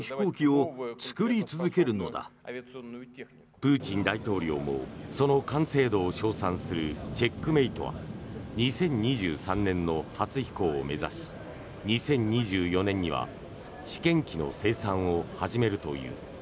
プーチン大統領もその完成度を称賛するチェックメイトは２０２３年の初飛行を目指し２０２４年には試験機の生産を始めるという。